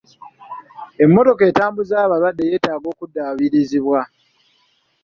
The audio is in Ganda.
Emmotoka etambuza abalwadde yeetaaga okuddaabirizibwa.